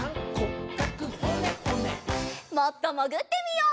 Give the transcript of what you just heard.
もっともぐってみよう。